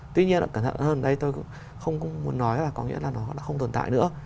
tuy nhiên cẩn thận hơn đây tôi cũng không muốn nói là có nghĩa là nó không tồn tại nữa